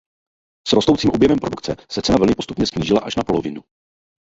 S rostoucím objemem produkce se cena vlny postupně snížila až na polovinu.